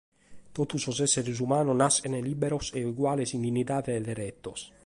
Totu sos èsseres umanos naschent lìberos e eguales in dinnidade e deretos.